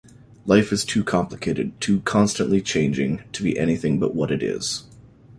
Life is too complicated, too constantly changing, to be anything but what it is.